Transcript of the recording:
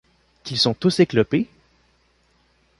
Qu’ils sont tous éclopés?